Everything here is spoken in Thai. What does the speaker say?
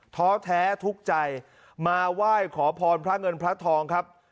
ท้อแท้ทุกข์ใจมาไหว้ขอพรพระเงินพระทองครับ